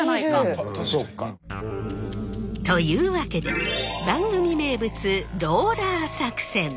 確かに。というわけで番組名物ローラー作戦！